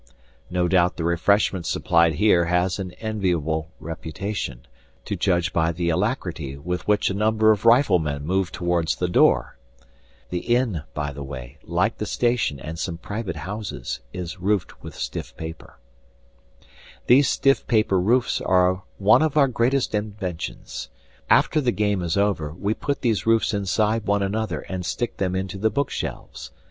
No doubt the refreshment supplied here has an enviable reputation, to judge by the alacrity with which a number of riflemen move to wards the door. The inn, by the by, like the station and some private houses, is roofed with stiff paper. These stiff paper roofs are one of our great inventions. We get thick, stiff paper at twopence a sheet and cut it to the sizes we need. After the game is over, we put these roofs inside one another and stick them into the bookshelves.